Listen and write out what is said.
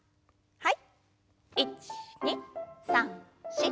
はい。